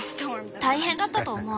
大変だったと思う。